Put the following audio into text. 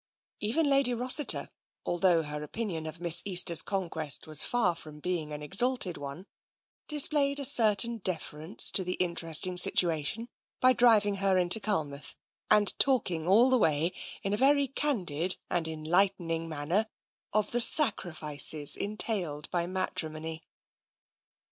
, Even Lady Rossiter, although her opinion of Miss Easter's conquest was far from being an exalted one, displayed a certain deference to the interesting situa tion by driving her into Culmouth and talking all the way, in a very candid and enlightening manner, of the sacrifices entailed by matrimony.